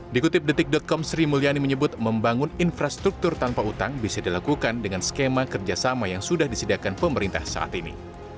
dikutip detik com sri mulyani menyebut membangun infrastruktur tanpa utang bisa dilakukan dengan skema kerjasama yang sudah disediakan pemerintah saat ini